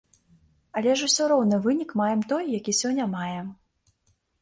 Але ж усё роўна вынік маем той, які сёння маем.